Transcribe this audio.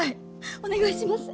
お願いします。